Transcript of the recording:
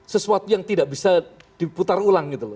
sesuatu yang tidak bisa diputar ulang gitu loh